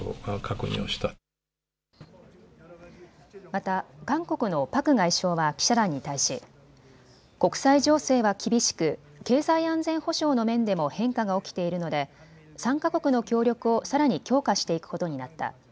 また韓国のパク外相は記者団に対し国際情勢は厳しく経済安全保障の面でも変化が起きているので３か国の協力をさらに強化していくことになった。